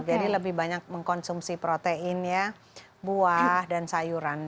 jadi lebih banyak mengkonsumsi protein ya buah dan sayuran